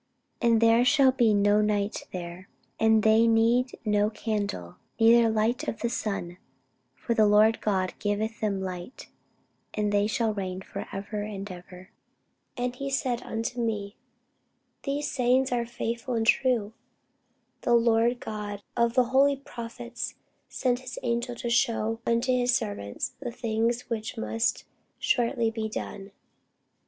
And there shall be no night there; and they need no candle, neither light of the sun; for the Lord God giveth them light: and they shall reign for ever and ever. [Sidenote: Rev. 22] And he said unto me, These sayings are faithful and true: and the Lord God of the holy prophets sent his angel to shew unto his servants the things which must shortly be done.